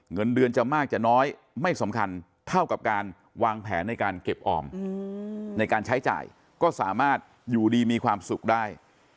เงินเดือนจะมากจะน้อยไม่สำคัญเท่ากับการวางแผนในการเก็บออมในการใช้จ่ายก็สามารถอยู่ดีมีความสุขได้